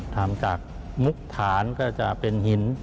ทำจากมุกฐานก็จะเป็นหิน